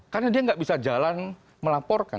karena dia nggak bisa jalan melaporkan